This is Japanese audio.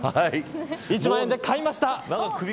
１万円で買いました。